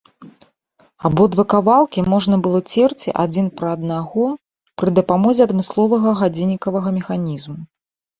Абодва кавалкі можна было церці адзін пра аднаго пры дапамозе адмысловага гадзіннікавага механізму.